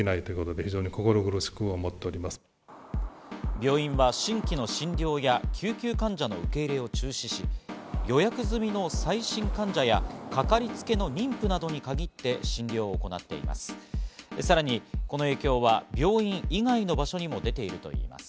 病院は新規の診療や救急患者の受け入れを中止し、予約済みの最新患者や、かかりつけ医の妊婦などに限って診療を行っています。